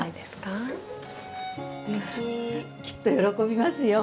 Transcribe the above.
きっと喜びますよ。